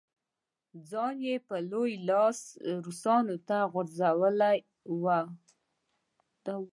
ځان یې په لوی لاس روسانو ته غورځولی وای.